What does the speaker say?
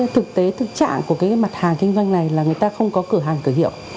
thực tế thực trạng của cái mặt hàng kinh doanh này là người ta không có cửa hàng cửa hiệu